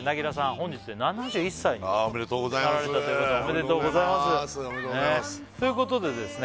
本日で７１歳になられたということでおめでとうございますということでですね